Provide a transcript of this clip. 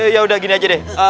yaudah gini aja deh